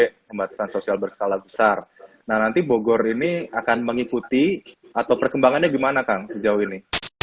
pembatasan sosial berskala besar nah nanti bogor ini akan mengikuti atau perkembangannya gimana kang sejauh ini